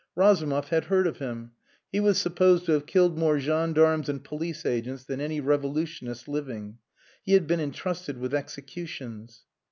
Razumov had heard of him. He was supposed to have killed more, gendarmes and police agents than any revolutionist living. He had been entrusted with executions.